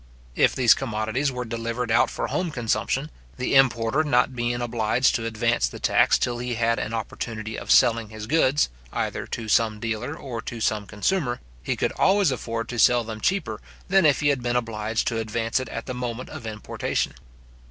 If these commodities were delivered out for home consumption, the importer not being obliged to advance the tax till he had an opportunity of selling his goods, either to some dealer, or to some consumer, he could always afford to sell them cheaper than if he had been obliged to advance it at the moment of importation.